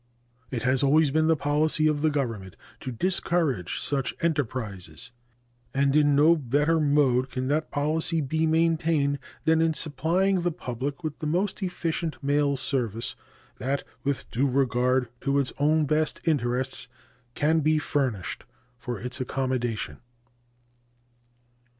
It has always been the policy of the Government to discourage such enterprises, and in no better mode can that policy be maintained than in supplying the public with the most efficient mail service that, with due regard to its own best interests, can be furnished for its accommodation.